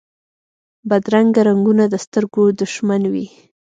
بدرنګه رنګونه د سترګو دشمن وي